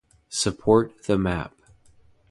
Support the map.